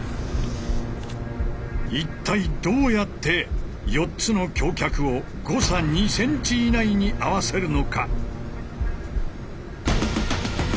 一体どうやって４つの橋脚を誤差２ｃｍ以内に合わせるのか？